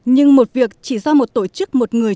nhưng một việc chỉ do một tổ chức một người